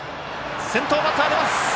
先頭バッターが出ます！